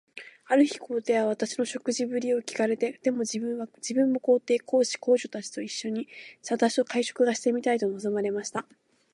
ある日、皇帝は私の食事振りを聞かれて、では自分も皇后、皇子、皇女たちと一しょに、私と会食がしてみたいと望まれました。